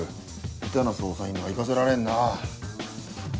ヘタな捜査員には行かせられんな。